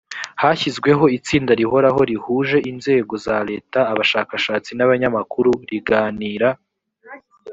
hashyizweho itsinda rihoraho rihuje inzego za leta abashakashatsi n abanyamakuru riganira